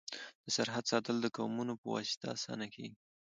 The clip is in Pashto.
د سرحد ساتل د قومونو په واسطه اسانه کيږي.